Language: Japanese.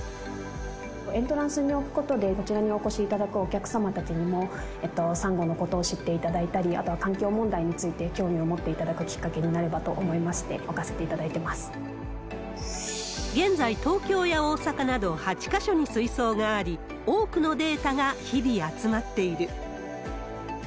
エントランスに置くことで、こちらにお越しいただくお客様たちにもサンゴのことを知っていただいたり、あとは環境問題について、興味を持っていただくきっかけになればと思いまして、現在、東京や大阪など８か所に水槽があり、多くのデータが日々集まっている。